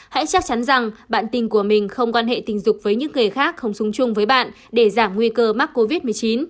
hãy chắc chắn rằng bạn tình của mình không quan hệ tình dục với những người khác không sung chung với bạn để giảm nguy cơ mắc covid một mươi chín